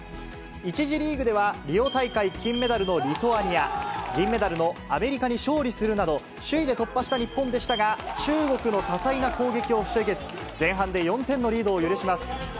１次リーグではリオ大会金メダルのリトアニア、銀メダルのアメリカに勝利するなど、首位で突破した日本でしたが、中国の多彩な攻撃を防げず、前半で４点のリードを許します。